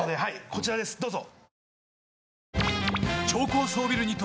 こちらですどうぞ。